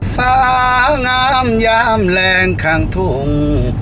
ฟ้างามยามแรงข้างทุ่ง